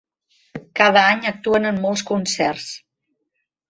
Cada any actuen en molts concerts.